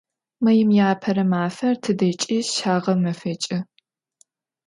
Maim yi Apere mafer tıdeç'i şağemefeç'ı.